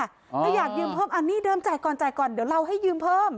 ถ้าอยากยืมเพิ่มอันนี้เดิมจ่ายก่อนจ่ายก่อนเดี๋ยวเราให้ยืมเพิ่ม